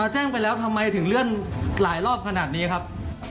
แจ้งไปแล้วทำไมถึงเลื่อนหลายรอบขนาดนี้ครับ